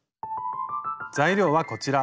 材料はこちら。